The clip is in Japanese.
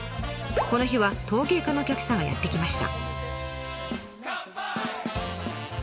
この日は陶芸家のお客さんがやって来ました。